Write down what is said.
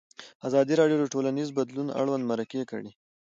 ازادي راډیو د ټولنیز بدلون اړوند مرکې کړي.